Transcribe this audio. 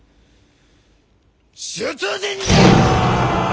出陣じゃあ！